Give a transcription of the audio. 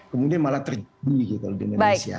tapi malah terjuni gitu di indonesia